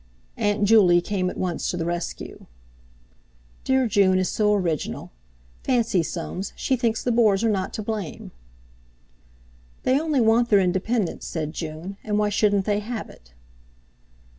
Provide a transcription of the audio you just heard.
Aunt Juley came at once to the rescue: "Dear June is so original. Fancy, Soames, she thinks the Boers are not to blame." "They only want their independence," said June; "and why shouldn't they have it?"